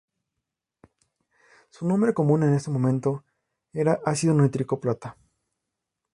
Su nombre común en ese momento era ácido nítrico plata.